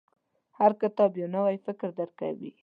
• هر کتاب، یو نوی فکر درکوي.